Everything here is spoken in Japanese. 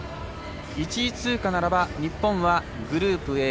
１位通過なら日本はグループＡ